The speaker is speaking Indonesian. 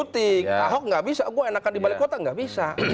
tahu nggak bisa gua enakan di balik kota nggak bisa